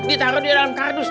ditaruh di dalam kardus